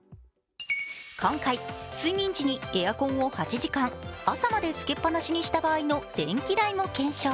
今回、睡眠時にエアコンを８時間朝までつけっぱなしにした場合の電気代を検証。